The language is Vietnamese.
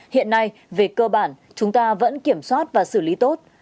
hiện nay về cơ bản chúng ta vẫn kiểm soát và xử lý tốt